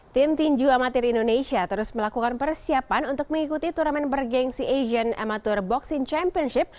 tim tinju amatir indonesia terus melakukan persiapan untuk mengikuti turnamen bergensi asian amatur boxing championship